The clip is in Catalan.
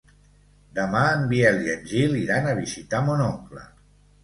Demà en Biel i en Gil iran a visitar mon oncle.